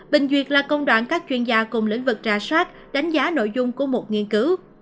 bình duyệt là công đoạn các chuyên gia cùng lĩnh vực trà soát đánh giá nội dung của một nghiên cứu